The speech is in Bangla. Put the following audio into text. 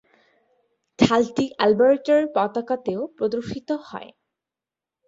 ঢালটি অ্যালবার্টার পতাকাতেও প্রদর্শিত হয়।